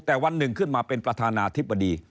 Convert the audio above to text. แต่วันหนึ่งขึ้นมาเป็นประธานาธิบดี